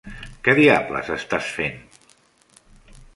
Què diables estàs fent?